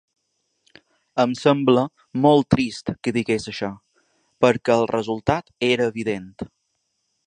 Em sembla molt trist que digués això, perquè el resultat era evident.